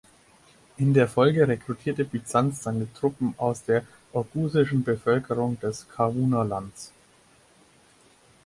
In der Folge rekrutierte Byzanz seine Truppen aus der oghusischen Bevölkerung des Karwuna-Lands.